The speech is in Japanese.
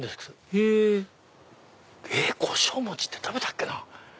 へぇ胡椒餅って食べたっけな？